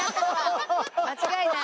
間違いない！